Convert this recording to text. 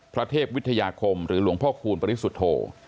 พระเทพวิทยาคมหรือหลวงพ่อคูณปริสุทธโธ